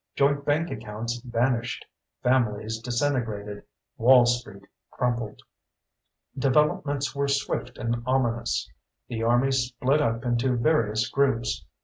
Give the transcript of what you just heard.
Joint bank accounts vanished. Families disintegrated. Wall street crumpled. Developments were swift and ominous. The Army split up into various groups.